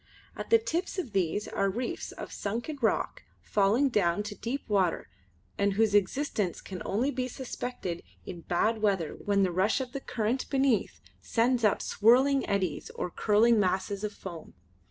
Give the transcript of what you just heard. At the tips of these are reefs of sunken rock falling down to deep water and whose existence can only be suspected in bad weather when the rush of the current beneath sends up swirling eddies or curling masses of foam.